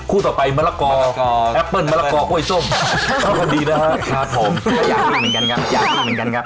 ต่อไปมะละกอแอปเปิ้ลมะละกอกล้วยส้มเข้ากันดีนะครับครับผมก็อยากกินเหมือนกันครับอยากกินเหมือนกันครับ